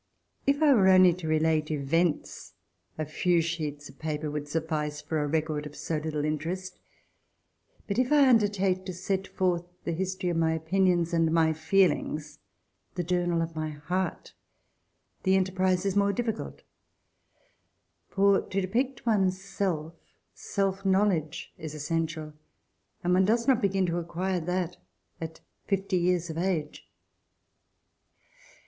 If 1 were only to relate events, a few sheets of paper would suffice for a record of so little interest, but if I undertake to set forth the history of my opinions and my feelings, the journal of my heart, the enterprise is more difficult, for to depict one's self, self knowledge is essential, and one does not begin to acquire that at fifty years of age.